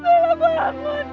bella bangun dong